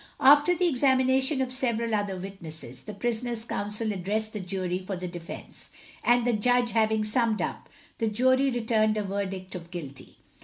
After the examination of several other witnesses, the prisoner's counsel addressed the jury for the defence, and the judge having summed up, the jury returned a verdict of Guilty.